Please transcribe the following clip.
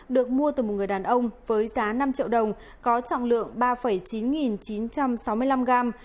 được mua từ một người đàn ông với giá năm triệu đồng có trọng lượng ba chín nghìn chín trăm sáu mươi năm gram